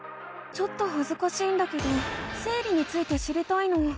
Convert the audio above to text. ちょっとはずかしいんだけど生理について知りたいの。